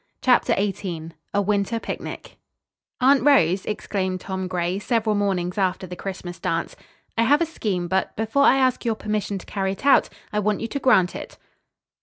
CHAPTER XVIII A WINTER PICNIC "Aunt Rose," exclaimed Tom Gray, several mornings after the Christmas dance, "I have a scheme; but, before I ask your permission to carry it out, I want you to grant it."